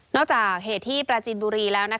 จากเหตุที่ปราจินบุรีแล้ว